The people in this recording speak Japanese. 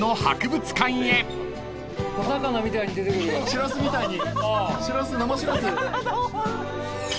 しらすみたいに。